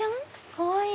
かわいい！